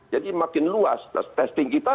jadi makin luas nah testing kita